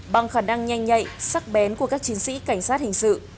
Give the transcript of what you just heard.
bằng khả năng nhanh nhạy sắc bén của các chiến sĩ cảnh sát hình sự